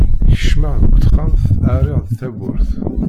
Kecmeɣ deg texxamt, rriɣ-d tawwurt.